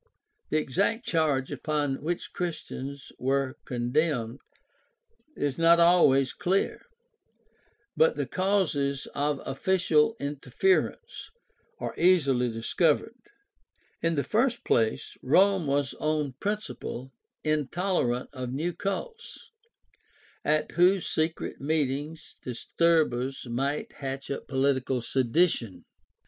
The exact charge upon which Christians were condemned is not always clear, but the causes of official interference are easily discovered. In the first place Rome was on principle intolerant of new cults, at whose secret meetings disturbers might hatch up political sedition.